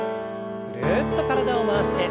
ぐるっと体を回して。